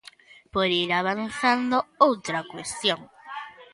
Por ir avanzando, outra cuestión.